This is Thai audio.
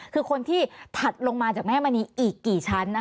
คือคนที่ถัดลงมาจากแม่มณีอีกกี่ชั้น